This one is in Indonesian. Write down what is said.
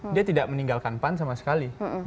dia tidak meninggalkan pan sama sekali